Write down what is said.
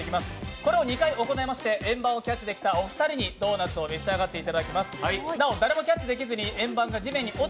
これを２回行いまして、円盤をキャッチできたお二人にドーナツを召し上がっていただきます。